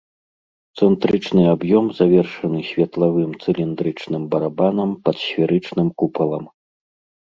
Цэнтрычны аб'ём завершаны светлавым цыліндрычным барабанам пад сферычным купалам.